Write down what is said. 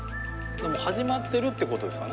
始まってるってことですかね。